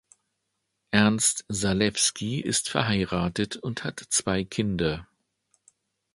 Ernst Salewski ist verheiratet und hat zwei Kinder.